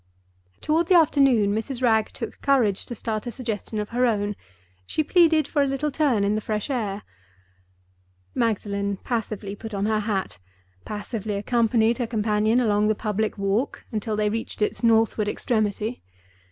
Toward the afternoon Mrs. Wragge took courage to start a suggestion of her own—she pleaded for a little turn in the fresh air. Magdalen passively put on her hat; passively accompanied her companion along the public walk, until they reached its northward extremity.